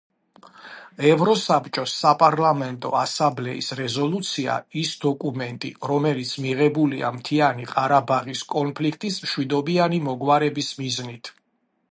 ევროსაბჭოს საპარლამენტო ასამბლეის რეზოლუცია ის დოკუმენტი, რომელიც მიღებულია მთიანი ყარაბაღის კონფლიქტის მშვიდობიანი მოგვარების მიზნით.